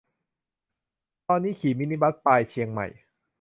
ตอนนี้ขี่มินิบัส ปาย-เชียงใหม่